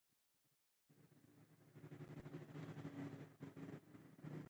موږ باید د خپلو ماشومانو روزنې ته پام وکړو.